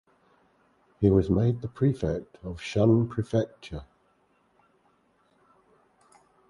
He was made the prefect of Shun Prefecture.